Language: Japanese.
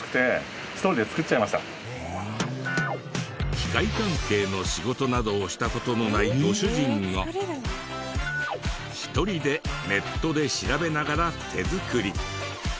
機械関係の仕事などをした事のないご主人が１人でネットで調べながら手作り。